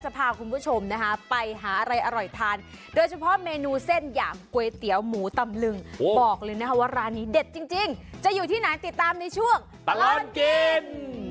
พาคุณผู้ชมนะคะไปหาอะไรอร่อยทานโดยเฉพาะเมนูเส้นอย่างก๋วยเตี๋ยวหมูตำลึงบอกเลยนะคะว่าร้านนี้เด็ดจริงจะอยู่ที่ไหนติดตามในช่วงตลอดกิน